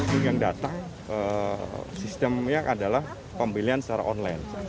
pengunjung yang datang sistemnya adalah pembelian secara online